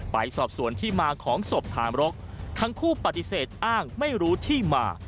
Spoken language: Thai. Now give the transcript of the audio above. ไปสอบสวนที่มาของศพทามรกทั้งคู่ปฏิเสธอ้างไม่รู้ที่มา